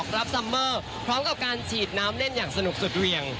ซัมเมอร์พร้อมกับการฉีดน้ำเล่นอย่างสนุกสุดเหวี่ยง